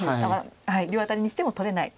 両アタリにしても取れない。